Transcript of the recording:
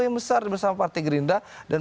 yang besar bersama partai gerindra dan